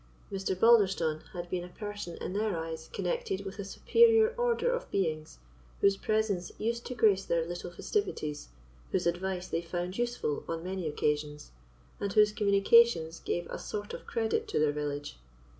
Mr. Balderstone had been a person in their eyes connected with a superior order of beings, whose presence used to grace their little festivities, whose advice they found useful on many occasions, and whose communications gave a sort of credit to their village.